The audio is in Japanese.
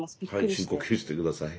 はい深呼吸して下さい。